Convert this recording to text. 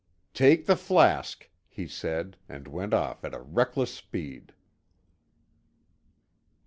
"Take the flask," he said and went off at a reckless speed.